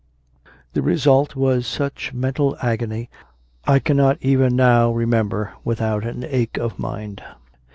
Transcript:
The result was such mental agony as I cannot even now remember without an ache of mind.